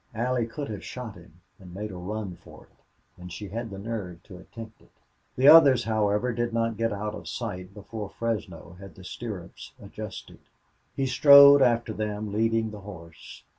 Allie could have shot him and made a run for it, and she had the nerve to attempt it. The others, however, did not get out of sight before Fresno had the stirrups adjusted. He strode after them, leading the horse.